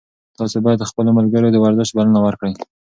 تاسي باید خپلو ملګرو ته د ورزش بلنه ورکړئ.